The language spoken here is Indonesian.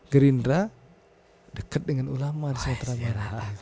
gerindra dekat dengan ulama di sumatera barat